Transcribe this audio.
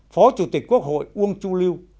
phó chủ tịch quốc hội uông chu lưu